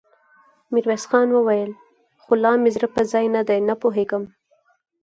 ميرويس خان وويل: خو لا مې زړه پر ځای نه دی، نه پوهېږم!